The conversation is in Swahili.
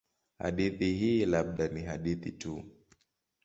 Hadithi hii labda ni hadithi tu.